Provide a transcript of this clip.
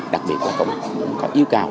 đặc biệt là cũng có yêu cầu